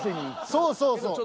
そうそうそう。